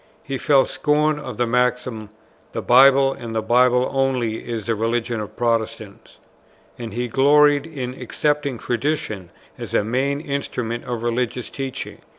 He felt scorn of the maxim, "The Bible and the Bible only is the religion of Protestants;" and he gloried in accepting Tradition as a main instrument of religious teaching.